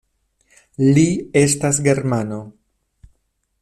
Li estas germano.